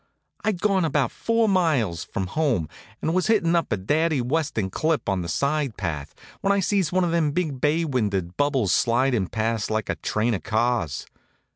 I'd gone about four miles from home, and was hittin' up a Daddy Weston clip on the side path, when I sees one of them big bay windowed bubbles slidin' past like a train of cars.